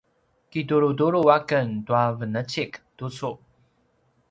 kitulutulu aken tua venecik tucu